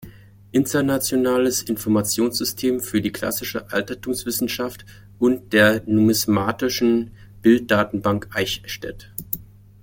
Internationales Informationssystem für die Klassische Altertumswissenschaft"“ und der „"Numismatischen Bilddatenbank Eichstätt"“.